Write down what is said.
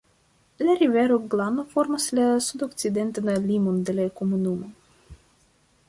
La rivero Glano formas la sudokcidentan limon de la komunumo.